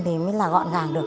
thì mới là gọn gàng được